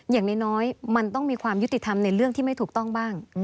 อย่างน้อยมันต้องมีความยุติธรรมในเรื่องที่ไม่ถูกต้องบ้าง